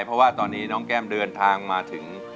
เพราะว่าตอนนี้น้องแก้มเดินทางมาถึง